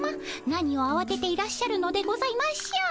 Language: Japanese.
何をあわてていらっしゃるのでございましょう？